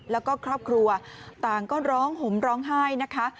แล้วก็ครอบครัวต่างก็ร้องห่มร้องไห้นะคะ